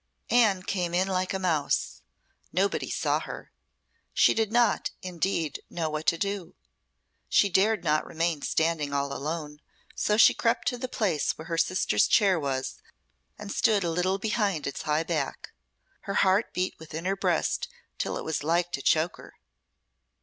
Anne came in like a mouse. Nobody saw her. She did not, indeed, know what to do. She dared not remain standing all alone, so she crept to the place where her sister's chair was, and stood a little behind its high back. Her heart beat within her breast till it was like to choke her.